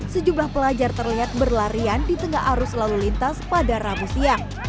sejumlah pelajar terlihat berlarian di tengah arus lalu lintas pada rabu siang